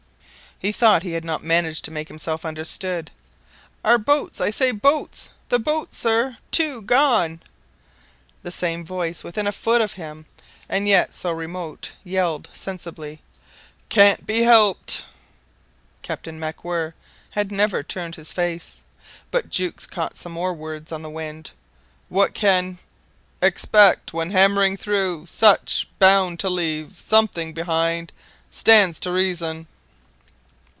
He thought he had not managed to make himself understood. "Our boats I say boats the boats, sir! Two gone!" The same voice, within a foot of him and yet so remote, yelled sensibly, "Can't be helped." Captain MacWhirr had never turned his face, but Jukes caught some more words on the wind. "What can expect when hammering through such Bound to leave something behind stands to reason."